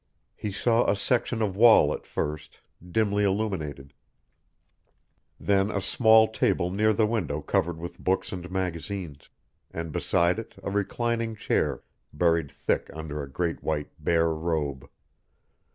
He saw a section of wall at first, dimly illuminated; then a small table near the window covered with books and magazines, and beside it a reclining chair buried thick under a great white bear robe.